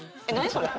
それ。